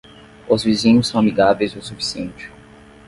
Os vizinhos são amigáveis o suficiente.